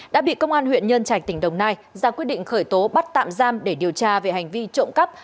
đã bị công an huyện nhân trạch tỉnh đồng nai ra quyết định khởi tố bắt tạm giam để điều tra về hành vi trộm cắp